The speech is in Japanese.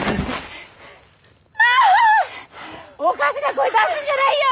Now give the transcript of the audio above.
おかしな声出すんじゃないよ。